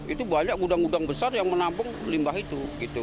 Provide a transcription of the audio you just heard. itu banyak udang udang besar yang menampung limbah itu